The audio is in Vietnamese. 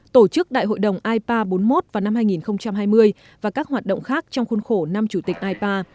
tổ chức đại hội đồng ipa bốn mươi một vào năm hai nghìn hai mươi và các hoạt động khác trong khuôn khổ năm chủ tịch ipa